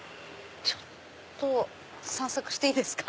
ちょっと散策していいですか？